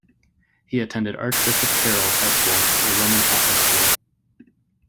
He attended Archbishop Carroll High School, a Roman Catholic school.